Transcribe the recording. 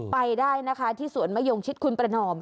ไปได้นะคะที่สวนมะยงชิดคุณประนอม